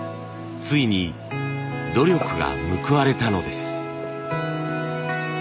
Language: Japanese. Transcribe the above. ついに努力が報われたのです。